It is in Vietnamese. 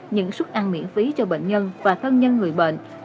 những suất ăn miễn phí cho bệnh nhân và thân nhân người bệnh